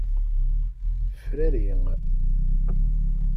Frari.